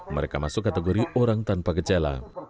mereka masuk kategori orang tanpa gejala